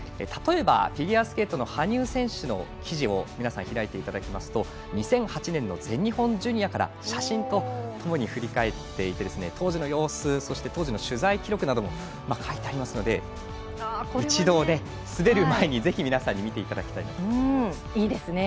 例えば、フィギュアスケートの羽生選手の記事を皆さん、開いていただきますと２００８年の全日本ジュニアから写真とともに振り返っていて当時の様子そして当時の取材記録なども書いてありますので一度、滑る前にぜひ皆さんに見ていただきたいと思います。